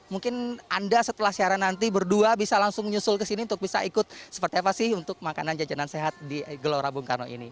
mungkin anda setelah siaran nanti berdua bisa langsung menyusul kesini untuk bisa ikut seperti apa sih untuk makanan jajanan sehat di gelora bung karno ini